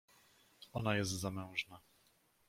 "Ona jest zamężna."